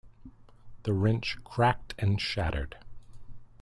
The wrench cracked and shattered.